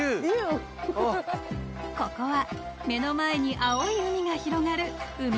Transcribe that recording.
［ここは目の前に青い海が広がる］